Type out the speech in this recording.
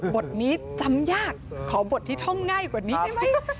บทนี้จำยากขอบทที่ท่องง่ายกว่านี้ได้ไหม